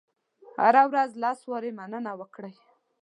هره ورځ لس وارې مننه وکړئ.